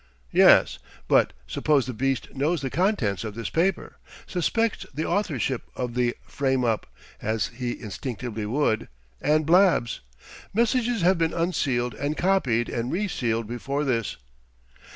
"Yes; but suppose the beast knows the contents of this paper, suspects the authorship of the 'frame up' as he instinctively would and blabs? Messages have been unsealed and copied and resealed before this."